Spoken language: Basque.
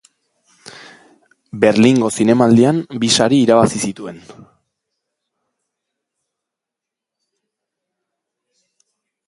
Berlingo Zinemaldian bi sari irabazi zituen.